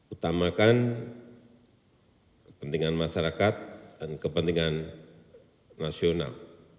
utamakan kepentingan masyarakat dan kepentingan nasional